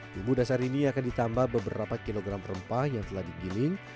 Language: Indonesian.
bumbu dasar ini akan ditambah beberapa kilogram rempah yang telah digiling